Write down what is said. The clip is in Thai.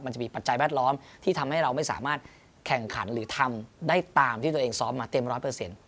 มันจะมีปัจจัยแวดล้อมที่ทำให้เราไม่สามารถแข่งขันหรือทำได้ตามที่ตัวเองซ้อมมาเต็มร้อยเปอร์เซ็นต